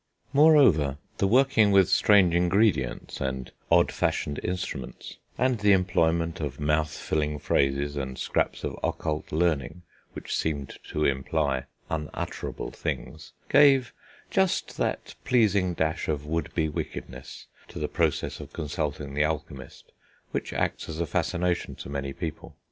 Moreover, the working with strange ingredients and odd fashioned instruments, and the employment of mouth filling phrases, and scraps of occult learning which seemed to imply unutterable things, gave just that pleasing dash of would be wickedness to the process of consulting the alchemist which acts as a fascination to many people.